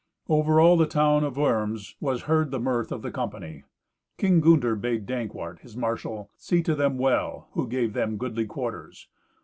Over all the town of Worms was heard the mirth of the company. King Gunther bade Dankwart, his marshal, see to them well, who gave them goodly quarters.